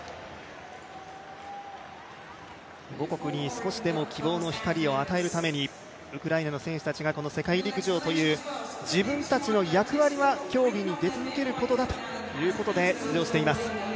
母国に少しでも希望の光を与えるためにウクライナの選手たちが世界陸上という、自分たちの役割は競技に出続けることだということで出場しています。